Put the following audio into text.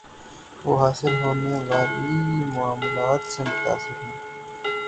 وہ حاصل ہونے والی معلومات سے متاثر ہیں